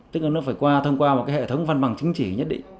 tức là nó phải qua thông qua một cái hệ thống văn bằng chứng chỉ nhất định